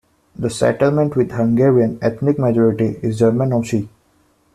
The settlement with Hungarian ethnic majority is Jermenovci.